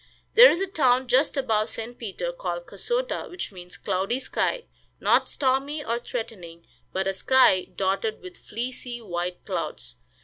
There is a town just above St. Peter, called Kasota, which means "cloudy sky;" not stormy or threatening, but a sky dotted with fleecy white clouds.